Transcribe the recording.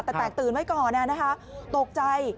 แต่แตกตื่นไว้ก่อนตกใจ